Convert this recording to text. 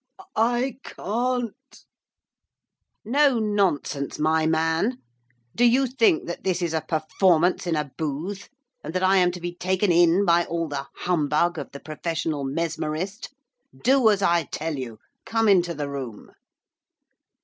'I can't.' 'No nonsense, my man! Do you think that this is a performance in a booth, and that I am to be taken in by all the humbug of the professional mesmerist? Do as I tell you, come into the room.